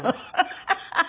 ハハハハ。